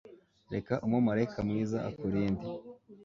reka umumarayika mwiza akurinde